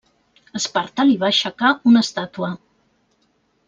Esparta li va aixecar una estàtua.